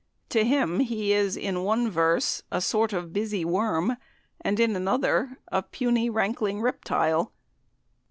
To him he is in one verse "a sort of busy worm," and in another "a puny rankling reptile."